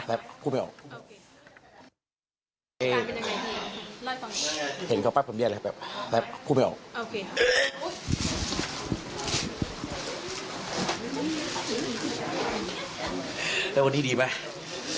วันนี้ดีไหม